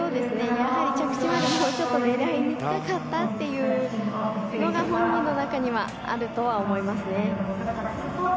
やはり着地まで狙いにいきたかったというのが本人の中にはあるとは思いますね。